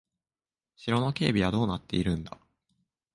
城の警備はどうなっているんだ。